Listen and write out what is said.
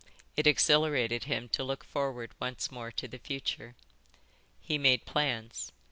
It exhilarated him to look forward once more to the future. He made plans.